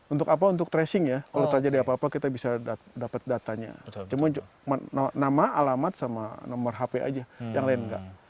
untuk apa untuk tracing ya kalau terjadi apa apa kita bisa dapat datanya cuma nama alamat sama nomor hp aja yang lain enggak